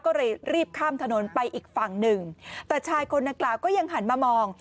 ก็เลยรีบข้ามถนนไปอีกฝั่งหนึ่งแต่ชายคนนางกล่าวก็ยังหันมามอง